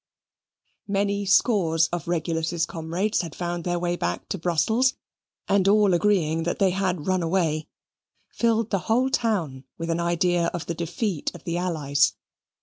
Many scores of Regulus's comrades had found their way back to Brussels, and all agreeing that they had run away filled the whole town with an idea of the defeat of the allies.